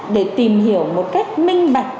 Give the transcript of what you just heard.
để tìm hiểu một cách minh bạch